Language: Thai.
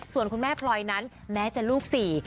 ส่วนคุณแม่พลอยนั้นแม้จะลูกสี่